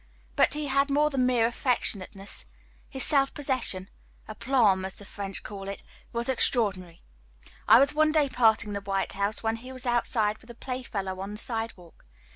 But he had more than mere affectionateness. His self possession aplomb, as the French call it was extraordinary. I was one day passing the White House, when he was outside with a play fellow on the side walk.